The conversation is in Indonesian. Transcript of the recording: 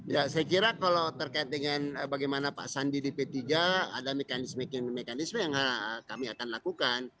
ya saya kira kalau terkait dengan bagaimana pak sandi di p tiga ada mekanisme mekanisme yang kami akan lakukan